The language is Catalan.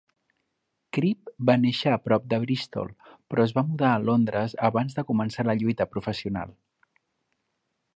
Cribb va néixer a prop de Bristol però es va mudar a Londres abans de començar la lluita professional.